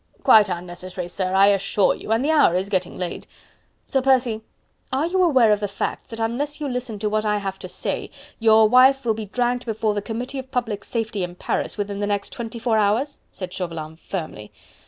"Quite unnecessary, sir, I assure you... and the hour is getting late..." "Sir Percy, are you aware of the fact that unless you listen to what I have to say, your wife will be dragged before the Committee of Public Safety in Paris within the next twenty four hours?" said Chauvelin firmly.